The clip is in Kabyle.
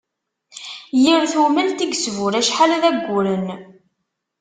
Yir tumelt i yesbur acḥal d ayyuren.